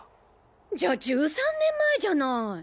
じゃあ１３年前じゃない。